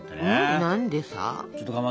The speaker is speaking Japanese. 何でさ？